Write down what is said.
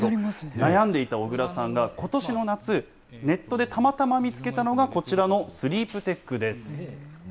悩んでいた小倉さんがことしの夏、ネットでたまたま見つけたのがこちらのスリープテックです。